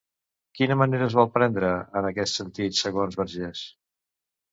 Quina mesura es vol prendre en aquest sentit, segons Vergés?